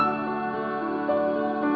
để che chắn bảo vệ cơ thể